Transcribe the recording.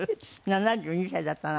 ７２歳だったの？